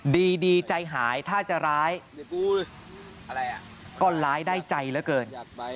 ดีใจหายถ้าจะร้ายก็ร้ายได้ใจเหลือเกิน